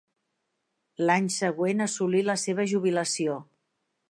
L'any següent assolí la seva jubilació.